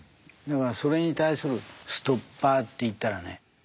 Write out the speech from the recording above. だからそれに対するストッパーっていったらね